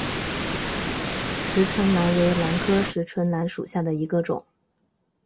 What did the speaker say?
匙唇兰为兰科匙唇兰属下的一个种。